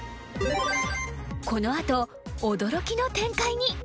［この後驚きの展開に。